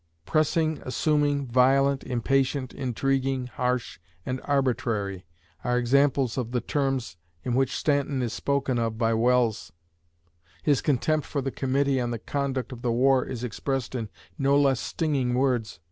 "Pressing, assuming, violent, impatient, intriguing, harsh, and arbitrary," are examples of the terms in which Stanton is spoken of by Welles His contempt for the Committee on the Conduct of the War is expressed in no less stinging words.